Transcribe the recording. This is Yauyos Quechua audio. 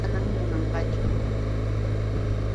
Qilla kaptin warmipis manam munanqachu.